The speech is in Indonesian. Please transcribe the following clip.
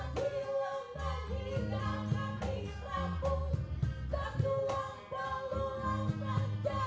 disini kerintah mata